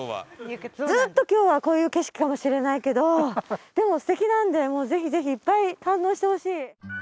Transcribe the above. ずっと今日はこういう景色かもしれないけどでも素敵なんでもうぜひぜひいっぱい堪能してほしい。